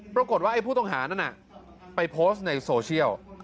ปรากฏว่าไอ้ผู้ต้องหานั้นไปโพสต์ในโซเชียล